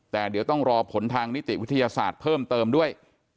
แต่เดี๋ยวต้องรอผลทางนิติวิทยาศาสตร์เพิ่มเติมด้วย